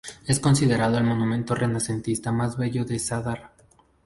Es considerado el monumento renacentista más bello de Zadar.